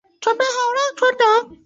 它们也被引入到格瑞纳丁群岛。